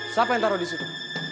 siapa yang taruh disitu